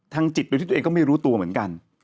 จิตโดยที่ตัวเองก็ไม่รู้ตัวเหมือนกัน